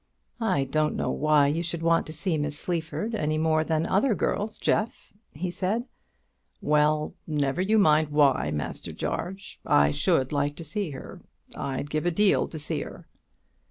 "I don't know why you should want to see Miss Sleaford any more than other girls, Jeff," he said. "Well, never you mind why, Master Jarge; I should like to see her; I'd give a deal to see her."